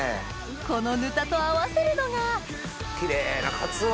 このぬたと合わせるのがキレイなカツオ！